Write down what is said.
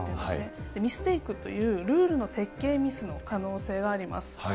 ミステイクというルールの設計ミスの可能性があります。